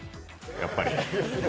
やっぱり。